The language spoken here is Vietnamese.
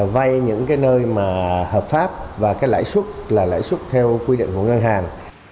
vay những cái nơi mà hợp pháp và cái lãi suất là lãi xuất theo quy định của ngân hàng